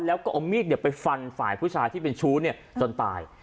แล้วก็เอามีดไปฟันฝ่ายผู้ชายที่เป็นชู้จนตาย